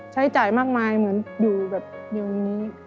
ใช้จ่ายมากมายเหมือนอยู่แบบอยู่ตรงนี้